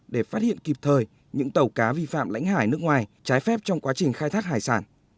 để phát hiện kịp thời những tàu cá vi phạm lãnh hải nước ngoài trái phép trong quá trình khai thác hải sản